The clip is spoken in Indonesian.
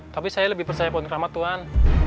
tapi saya lebih percaya pohon keramat tuhan